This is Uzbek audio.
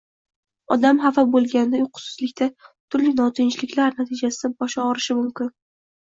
Odam xafa bo‘lganida, uyqusizlikda, turli notinchliklar natijasida boshi og‘rishi mumkin.